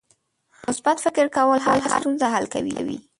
مثبت فکر کول هره ستونزه حل کوي.